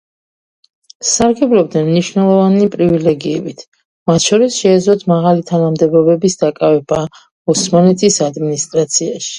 სარგებლობდნენ მნიშვნელოვანი პრივილეგიებით, მათ შორის შეეძლოთ მაღალი თანამდებობების დაკავება ოსმალეთის ადმინისტრაციაში.